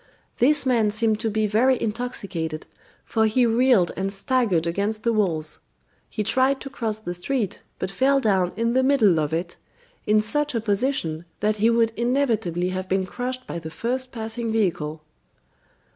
This man seemed to be very intoxicated, for he reeled and staggered against the walls. He tried to cross the street, but fell down in the middle of it, in such a position that he would inevitably have been crushed by the first passing vehicle."